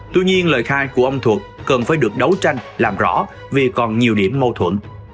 tuy nhiên lời khai của ông thuật cần phải được đấu tranh làm rõ vì còn nhiều điểm mâu thuẫn